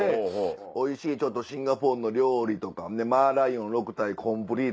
おいしいシンガポールの料理とかマーライオン６体コンプリートして。